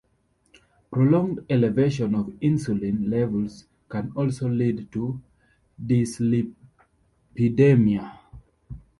Prolonged elevation of insulin levels can also lead to dyslipidemia.